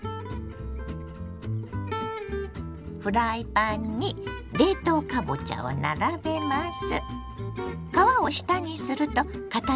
フライパンに冷凍かぼちゃを並べます。